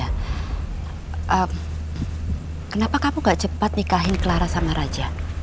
kenapa kamu gak cepat nikahin clara sama raja